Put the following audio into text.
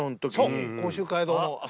そう甲州街道の。